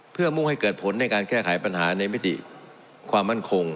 เพื่อมุ่งให้เกิดผลในการแก้ไขปัญหาในมิติความมั่นคง